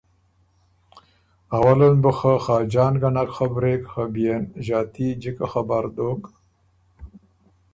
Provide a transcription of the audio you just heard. اوله ن بُو خه خاجان ګه نک خبرېک خه بيې ن ݫاتي جِکه خبر دوک